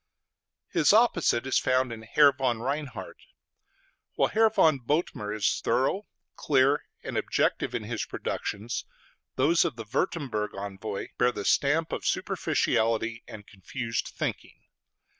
His opposite is found in Herr von Reinhard. While Herr von Bothmer is thorough, clear, and objective in his productions, those of the Würtemberg envoy bear the stamp of superficiality and confused thinking.